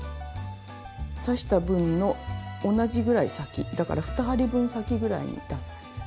刺した分の同じぐらい先だから２針分先ぐらいに出す。